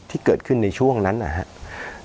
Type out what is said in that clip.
ที่เกิดขึ้นในช่วงนั้นนะครับ